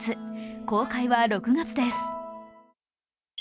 公開は６月です。